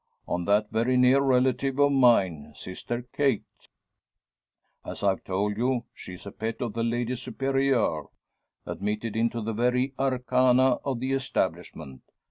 "On that very near relative of mine Sister Kate. As I've told you, she's a pet of the Lady Superior; admitted into the very arcana of the establishment.